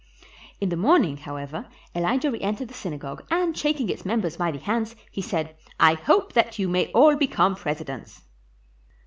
In the morning, how ever, Elijah reentered the synagogue, and shaking its members by the hands, he said, "I hope that you may all become presidents."